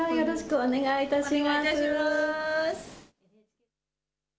お願いいたします。